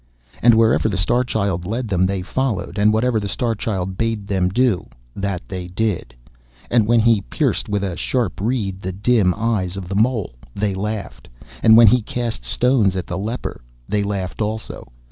And wherever the Star Child led them they followed, and whatever the Star Child bade them do, that did they. And when he pierced with a sharp reed the dim eyes of the mole, they laughed, and when he cast stones at the leper they laughed also.